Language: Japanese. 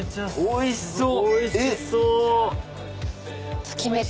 おいしそう！